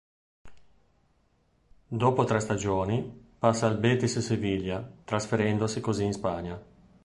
Dopo tre stagioni, passa al Betis Siviglia, trasferendosi così in Spagna.